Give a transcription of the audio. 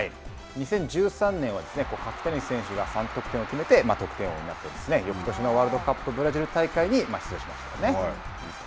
２０１３年は、柿谷選手が３得点を決めて、得点王になって、翌年のワールドカップブラジル大会に出場しましたよね。